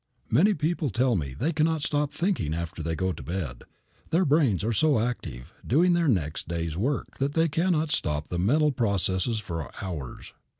Many people tell me they cannot stop thinking after they go to bed. Their brains are so active, doing their next day's work, that they cannot stop the mental processes for hours.